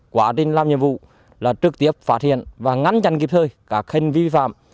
qua đó phát hiện và xử lý ba ba trăm bốn mươi chín trường hợp vi phạm